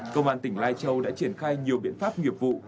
công an tỉnh lai châu đã triển khai nhiều biện pháp nghiệp vụ